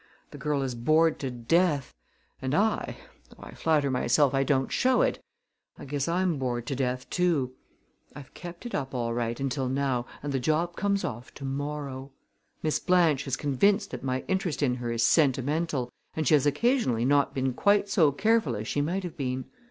The girl is bored to death; and I though I flatter myself I don't show it I guess I'm bored to death too. I've kept it up all right until now and the job comes off to morrow. Miss Blanche is convinced that my interest in her is sentimental and she has occasionally not been quite so careful as she might have been.